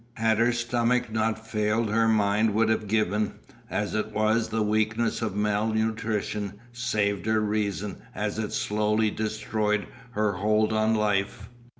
Had her stomach not failed her mind would have given, as it was the weakness of malnutrition saved her reason as it slowly destroyed her hold on life.